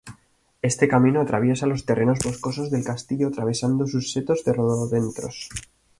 Este camino atraviesa los terrenos boscosos del castillo, atravesando sus setos de rododendros.